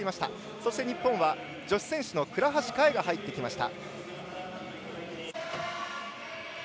そして日本は女子選手の倉橋香衣が入ってきました。